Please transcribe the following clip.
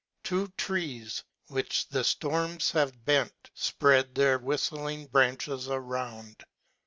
Two trees, which the ftorms have bent, fpread their Avhiftling branches around.